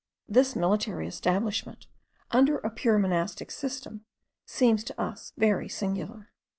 This military establishment, under a purely monastic system, seemed to us very singular.